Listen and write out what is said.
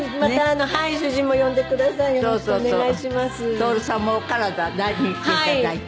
徹さんもお体大事にしていただいて。